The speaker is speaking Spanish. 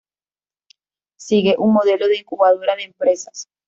Sigue un modelo de incubadora de empresas.